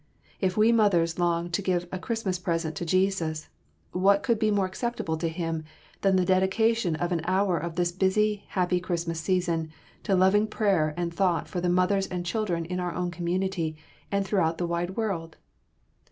If we mothers long to "give a Christmas present to Jesus," what could be more acceptable to Him, than the dedication of an hour of this busy, happy Christmas season to loving prayer and thought for the mothers and children in our own community and throughout the wide world?